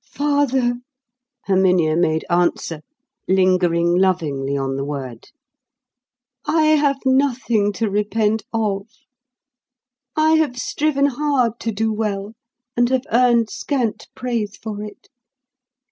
"Father," Herminia made answer, lingering lovingly on the word, "I have nothing to repent of. I have striven hard to do well, and have earned scant praise for it.